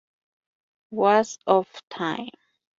Waste Of Time.